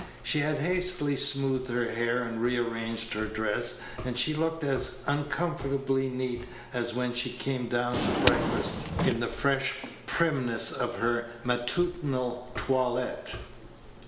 She had hastily smoothed her hair and rearranged her dress, and she looked as uncomfortably neat as when she came down to breakfast in the fresh primness of her matutinal toilette.